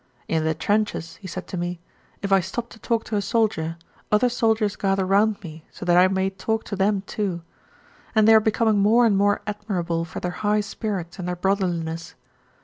"In the trenches," he said to me, "if I stop to talk to a soldier, other soldiers gather round me so that I may talk to them too. And they are becoming more and more admirable for their high spirits and their brotherliness.